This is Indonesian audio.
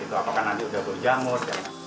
itu apakah nanti sudah boleh jamur